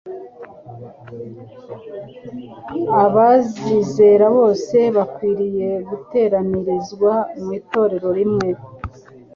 Abazizera bose bakwiriye guteranirizwa mu itorero rimwe.